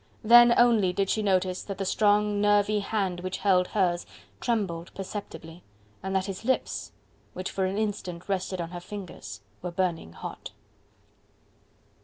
Then only did she notice that the strong, nervy hand which held hers trembled perceptibly, and that his lips which for an instant rested on her fingers were burning hot.